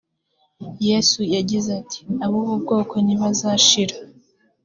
yesu yagize ati “ab’ubu bwoko ntibazashira”